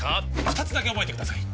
二つだけ覚えてください